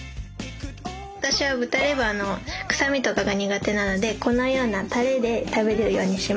私は豚レバーの臭みとかが苦手なのでこのようなタレで食べるようにしました。